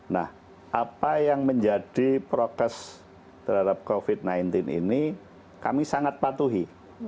nah apa yang menjadi prokes terhadap covid sembilan belas ini kami sangat patuhi